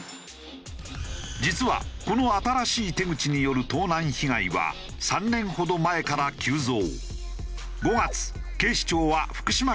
実はこの新しい手口による盗難被害は３年ほど前から急増。